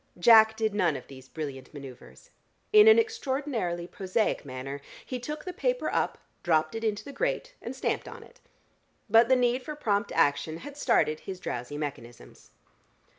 Jack did none of these brilliant manoeuvres. In an extraordinarily prosaic manner he took the paper up, dropped it into the grate and stamped on it. But the need for prompt action had started his drowsy mechanisms.